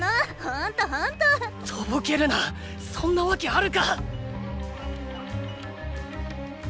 ほんとほんと！とぼけるなそんなわけあるか！